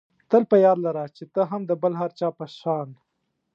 تل په یاد لره چې ته هم د بل هر چا په شان.